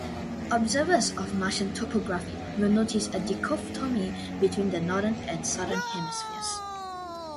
Observers of Martian topography will notice a dichotomy between the northern and southern hemispheres.